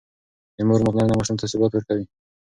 د مور پاملرنه ماشوم ته ثبات ورکوي.